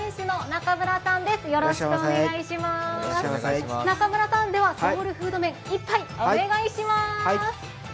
中村さん、ソウルフード麺、一杯お願いします。